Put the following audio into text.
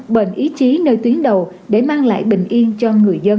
bệnh ý chí nơi tuyến đầu để mang lại bình yên cho người dân